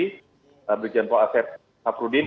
bapak brikjen paul aset saprudin